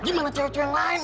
gimana cewek cewek yang lain